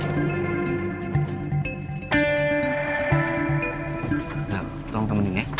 tolong temenin ya